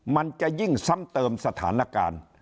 มันจะยิ่งซ้ำเติมสถานการณ์